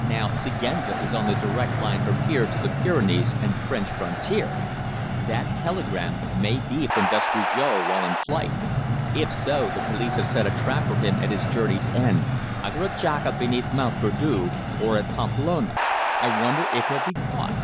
"Now Siguenza is on the direct line from here to the Pyrenees and the French frontier! That telegram may be from Despujol while in flight. If so, the police have set a trap for him at his journey's end, either at Jaca beneath Mont Perdu, or at Pamplona. I wonder if he'll be caught?"